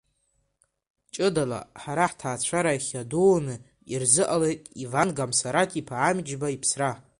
Ҷыдала ҳара ҳҭаацәара ихьаадуны ирзыҟалеит Иван Гамсараҭ-иԥа Амҷба иԥсра.